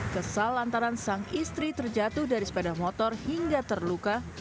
kesal antara sang istri terjatuh dari sepeda motor hingga terluka